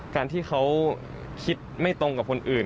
การที่เขาคิดไม่ตรงกับคนอื่น